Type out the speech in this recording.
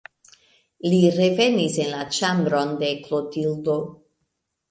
Li revenis en la ĉambron de Klotildo.